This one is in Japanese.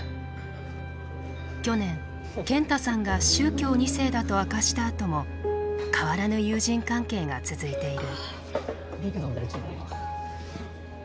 去年ケンタさんが宗教２世だと明かしたあとも変わらぬ友人関係が続いている。